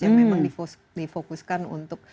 yang memang difokuskan untuk